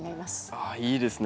ああいいですね。